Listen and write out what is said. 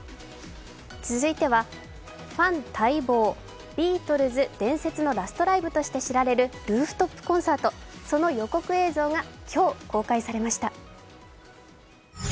続いてはファン待望、ビートルズ伝説のラストライブとして知られるルーフトップ・コンサート、その予告映像が今日、公開されました。